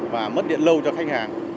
và mất điện lâu cho khách hàng